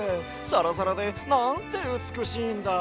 サラサラでなんてうつくしいんだ！